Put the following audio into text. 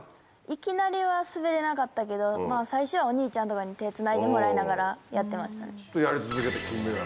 いきなりは滑れなかったけどまぁ最初はお兄ちゃんとかに手つないでもらいながらやってました。